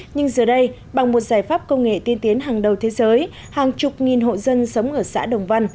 nhưng giờ đây bằng một giải pháp công nghệ tiên tiến hàng đầu thế giới hàng chục nghìn hộ dân sống ở xã đồng văn